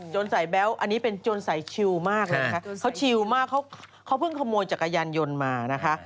ใส่แบ๊วอันนี้เป็นโจรใส่ชิลมากเลยนะคะเขาชิวมากเขาเพิ่งขโมยจักรยานยนต์มานะคะ